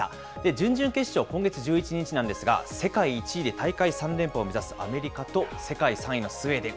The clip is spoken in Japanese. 準々決勝、今月１１日なんですが、世界１位で大会３連覇を目指すアメリカと世界３位のスウェーデン。